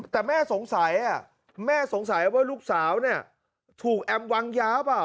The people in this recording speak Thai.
แต่แม่สงสัยแม่สงสัยว่าลูกสาวเนี่ยถูกแอมวางยาเปล่า